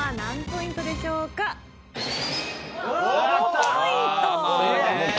５ポイント。